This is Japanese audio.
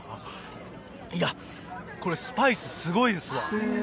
いや、これ、スパイスすごいですよ。